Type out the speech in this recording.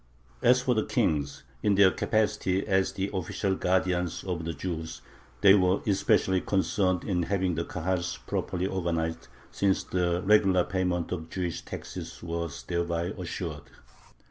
As for the kings, in their capacity as the official "guardians" of the Jews, they were especially concerned in having the Kahals properly organized, since the regular payment of the Jewish taxes was thereby assured.